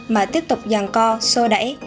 mà tiếp tục dàn co xô đẩy